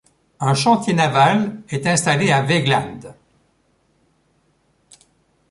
Un chantier naval est installé à Vågland.